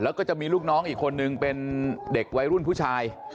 แล้วก็จะมีลูกน้องอีกคนนึงเป็นเด็กวัยรุ่นผู้ชาย